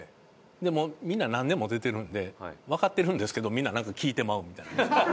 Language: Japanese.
でもみんな何年も出てるんでわかってるんですけどみんななんか聞いてまうみたいな。